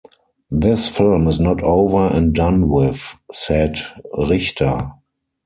"This film is not over and done with," said Richter.